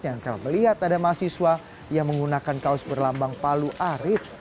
yang telah melihat ada mahasiswa yang menggunakan kaos berlambang palu arit